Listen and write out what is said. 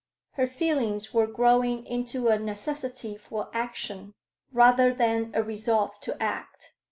Her feelings were growing into a necessity for action, rather than a resolve to act.